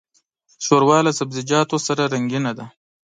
ښوروا له سبزيجاتو سره رنګینه ده.